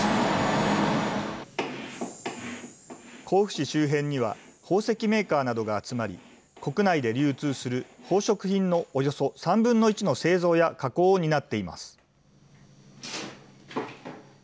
甲府市周辺には、宝石メーカーなどが集まり、国内で流通する宝飾品のおよそ３分の１の製造や加工を担っています。